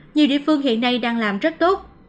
nhiều địa phương hiện nay đang làm rất tốt